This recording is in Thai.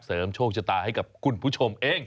โชคชะตาให้กับคุณผู้ชมเอง